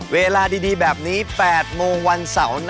เวลาดีแบบนี้๘โมงวันเสาร์